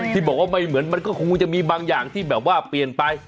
ที่บอกว่าไม่เหมือนมันก็คงจะมีบางอย่างที่แบบว่าเปลี่ยนไป